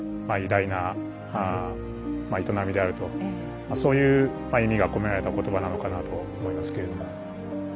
まあ偉大な営みであるとそういう意味が込められた言葉なのかなと思いますけれども。